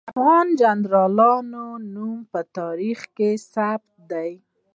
د افغان جنرالانو نومونه په تاریخ کې ثبت دي.